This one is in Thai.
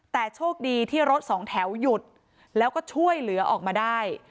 แต่โชคดีที่รถสองแถวหยุดแล้วก็ช่วยเหลือออกมาได้